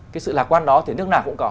cái sự lạc quan đó thì nước nào cũng có